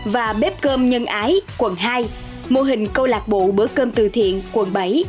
và bếp cơm nhân ái quận hai mô hình câu lạc bộ bữa cơm từ thiện quận bảy